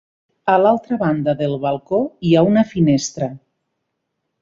A l'altra banda del balcó hi ha una finestra.